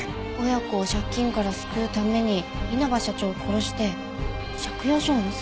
親子を借金から救うために稲葉社長を殺して借用書を盗み出した？